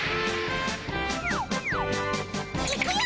いくよ！